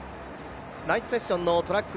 ナイトセッションのトラック